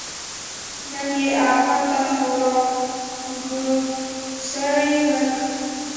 نن يې احمد ته خورا ګوسړې ورکړې.